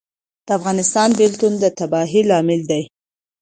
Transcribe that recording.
د افغانستان بیلتون د تباهۍ لامل دی